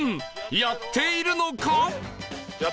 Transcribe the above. やっているのか？